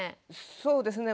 そうですね